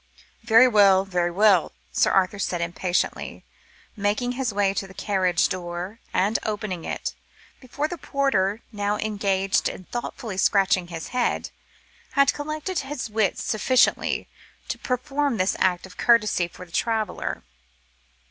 "Very well, very well," Sir Arthur said impatiently, making his way to the carriage door, and opening it, before the porter, now engaged in thoughtfully scratching his head, had collected his wits sufficiently to perform this act of courtesy for the traveller.